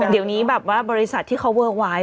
เดี๋ยวนี้แบบว่าบริษัทที่เขาเวิร์กไว้